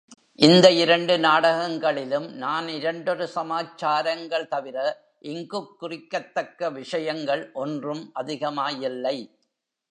இந்த இரண்டு நாடகங்களிலும் நான் இரண்டொரு சமாச்சாரங்கள் தவிர இங்குக் குறிக்கத்தக்க விஷயங்கள் ஒன்றும் அதிகமாயில்லை.